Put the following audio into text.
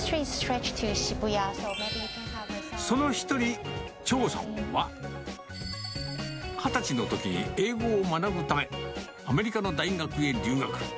その一人、張さんは、２０歳のときに英語を学ぶため、アメリカの大学へ留学。